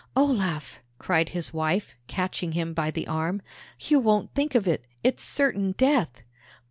"Olaf!" cried his wife, catching him by the arm, "you won't think of it! It's certain death!"